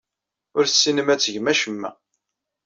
Ur tessinem ad tgem acemma.